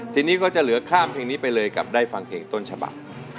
ทีนี้ก็จะเหลือข้ามเพลงนี้ไปเลยกับได้ฟังเพลงต้นฉบับ